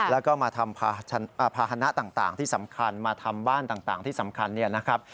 แล้วก็มาทำภาษณะต่างที่สำคัญมาทำบ้านต่างที่สำคัญเนี่ยนะครับ